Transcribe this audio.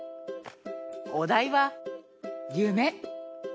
おだいはゆめ。